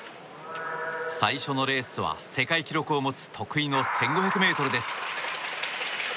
最初のレースは世界記録を持つ得意の１５００ｍです。